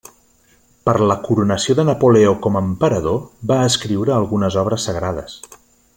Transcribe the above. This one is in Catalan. Per la coronació de Napoleó com emperador, va escriure algunes obres sagrades.